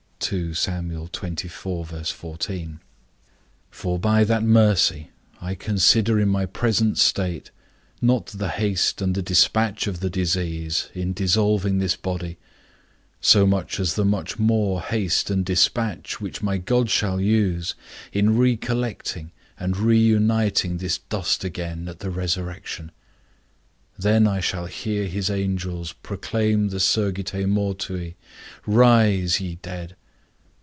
For by that mercy, I consider in my present state, not the haste and the despatch of the disease, in dissolving this body, so much as the much more haste and despatch, which my God shall use, in re collecting and re uniting this dust again at the resurrection. Then I shall hear his angels proclaim the Surgite mortui, Rise, ye dead.